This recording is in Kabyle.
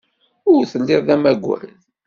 Ur telliḍ d amagad.